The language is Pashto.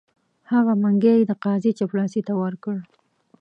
هغه منګی یې د قاضي چپړاسي ته ورکړ.